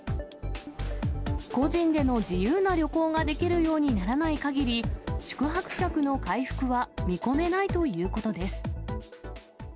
個人での自由な旅行ができるようにならないかぎり、宿泊客の回復は見込めないということです。